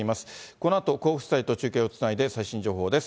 このあと甲府地裁と中継をつないで最新情報です。